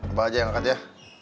apa aja yang angkat ya